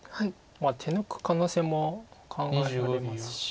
手抜く可能性も考えられますし。